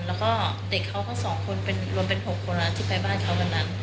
แล้วก็เด็กเขาก็๒คนรวมเป็น๖คนแล้วที่ไปบ้านเขาวันนั้น